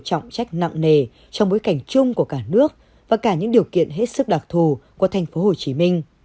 trọng trách nặng nề trong bối cảnh chung của cả nước và cả những điều kiện hết sức đặc thù của tp hcm